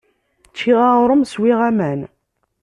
Ččiɣ aɣrum, swiɣ aman.